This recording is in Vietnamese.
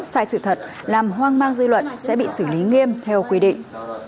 sai sự thật làm hoang mang dư luận sẽ bị xử lý nghiêm theo quy định